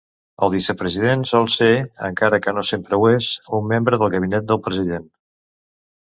El vicepresident sol ser, encara que no sempre ho és, un membre del gabinet del president.